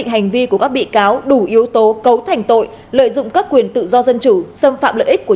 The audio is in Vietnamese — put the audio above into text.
hành vi của các bị cáo đủ yếu tố cấu thành tội lợi dụng các quyền tự do dân chủ xâm phạm lợi ích của